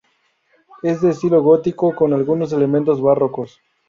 Es de estilo gótico con algunos elementos barrocos.